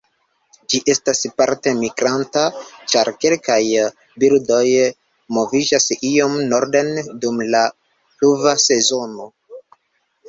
Ĝi estas parte migranta, ĉar kelkaj birdoj moviĝas iome norden dum la pluva sezono.